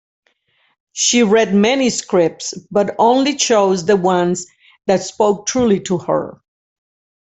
She read many scripts, but only chose the ones that spoke truly to her.